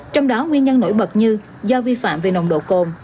trong đó nguyên nhân nổi bật như do vi phạm về nồng độ cồn